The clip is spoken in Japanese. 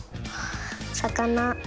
さかな。